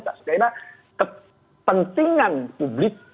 sebenarnya kepentingan publik